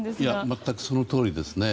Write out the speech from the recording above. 全くそのとおりですね。